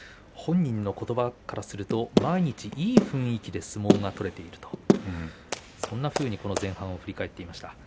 本人のことばからすると毎日いい雰囲気で相撲が取れているそんなふうに前半を振り返っていました。